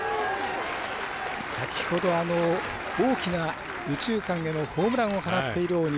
先ほど、大きな右中間へのホームランを放っている、大西。